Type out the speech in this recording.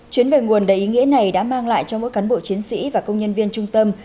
chuyến về nguồn đầy ý nghĩa này đã mang lại cho mỗi cán bộ chiến sĩ và công nhân viên trung tâm